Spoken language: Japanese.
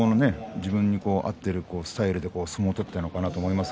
自分に合っているスタイルで相撲を取っていたのかなと思います。